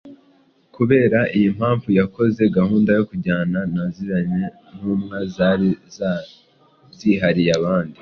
Kubera iyi mpamvu yakoze gahunda yo kujyana na ziriya ntumwa zari ziharariye abandi